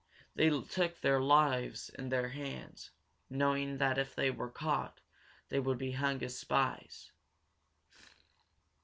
They took their lives in their hands, knowing that if they were caught they would be hung as spies.